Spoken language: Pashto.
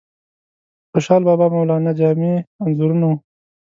د خوشحال بابا، مولانا جامی انځورونه وو.